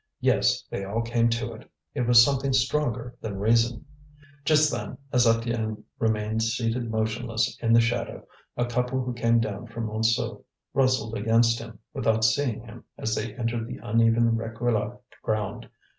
Yes, they all came to it; it was something stronger than reason. Just then, as Étienne remained seated motionless in the shadow, a couple who came down from Montsou rustled against him without seeing him as they entered the uneven Réquillart ground.